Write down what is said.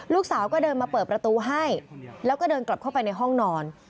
ลูกสาวก็เดินมาเปิดประตูให้แล้วก็เดินกลับเข้าไปในห้องนอน